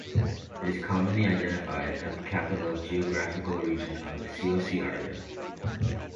It is commonly identified as the capital of the geographical region of Ciociaria.